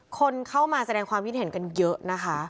คนเข้ามาแสดงความคิดเห็นกันเยอะนะคะ